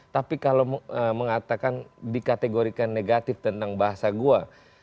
tapi kalau mengatakan dikategorikan negatif tentang bahasa gua